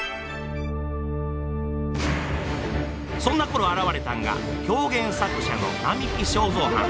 そんなころ現れたんが狂言作者の並木正三はん。